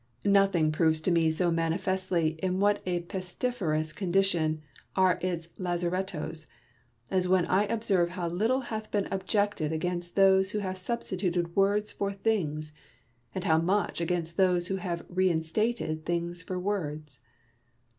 Nothing proves to me so manifestly in what a pestiferous condition are its lazarettos, as when I observe how little hath been objected against those who have substituted words for things, and how much against those who have reinstated things for words. 1 66 IMA GTNAR Y CONVERSA TIONS.